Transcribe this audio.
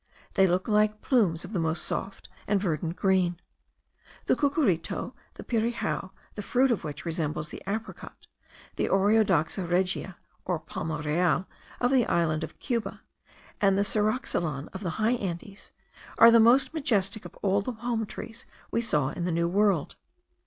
They look like plumes of the most soft and verdant green. The cucurito, the pirijao, the fruit of which resembles the apricot, the Oreodoxa regia or palma real of the island of Cuba, and the ceroxylon of the high Andes, are the most majestic of all the palm trees we saw in the New World.